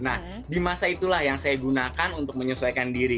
nah di masa itulah yang saya gunakan untuk menyesuaikan diri